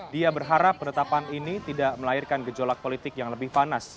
dia berharap penetapan ini tidak melahirkan gejolak politik yang lebih panas